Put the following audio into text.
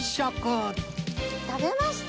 食べました？